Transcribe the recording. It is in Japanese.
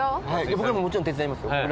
僕らももちろん手伝います。